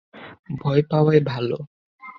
ভয় পাওয়াই ভালো।